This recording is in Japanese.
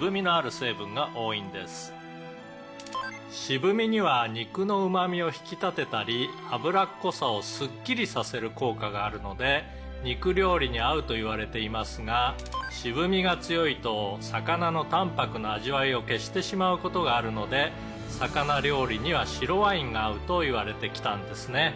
「渋みには肉のうまみを引き立てたり脂っこさをスッキリさせる効果があるので肉料理に合うといわれていますが渋みが強いと魚の淡泊な味わいを消してしまう事があるので魚料理には白ワインが合うといわれてきたんですね」